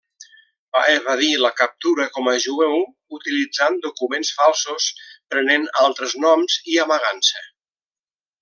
Va evadir la captura com a jueu utilitzant documents falsos, prenent altres noms i amagant-se.